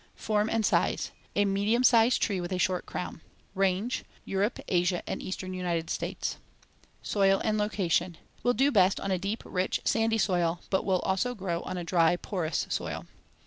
Form and size: A medium sized tree with a short crown. Range: Europe, Asia, and eastern United States. Soil and location: Will do best on a deep, rich, sandy soil, but will also grow on a dry, porous soil.